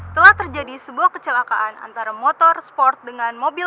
telah terjadi sebuah kecelakaan antara motor sport dengan mobil